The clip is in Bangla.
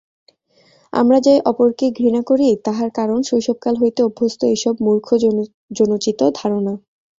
আমরা যে অপরকে ঘৃণা করি, তাহার কারণ শৈশবকাল হইতে অভ্যস্ত এইসব মূর্খজনোচিত ধারণা।